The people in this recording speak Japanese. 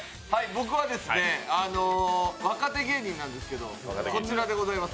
僕は、若手芸人なんですけどこちらでございます。